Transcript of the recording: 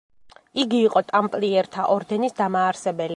იგი იყო „ტამპლიერთა ორდენის“ დამაარსებელი.